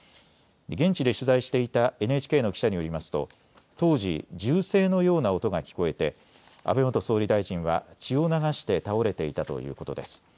現地で取材していたＮＨＫの記者によりますと当時、銃声のような音が聞こえて安倍元総理大臣は血を流して倒れていたということです。